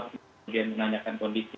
kemudian menanyakan kondisi